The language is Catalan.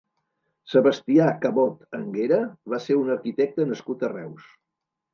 Sebastià Cabot Anguera va ser un arquitecte nascut a Reus.